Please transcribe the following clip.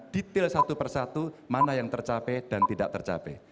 detail satu persatu mana yang tercapai dan tidak tercapai